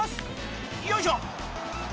［よいしょ］